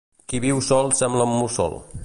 Qui viu sol sembla un mussol.